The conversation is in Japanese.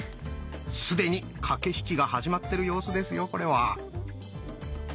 既に駆け引きが始まってる様子ですよこれは。